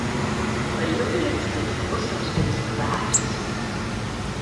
Brīvdienas jeb klusums pirms vētras.